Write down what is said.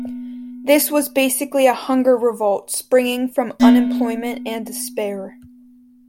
This was basically a hunger revolt, springing from unemployment and despair.